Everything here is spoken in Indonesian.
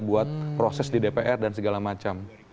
buat proses di dpr dan segala macam